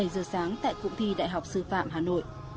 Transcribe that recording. bảy giờ sáng tại cụng thi đại học sư phạm hà nội